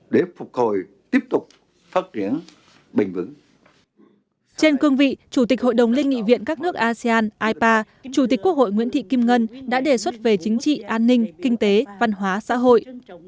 đại hội đồng liên nghị viện các nước asean ipa chủ tịch quốc hội nguyễn thị kim ngân đã đề xuất về chính trị an ninh kinh tế văn hóa xã hội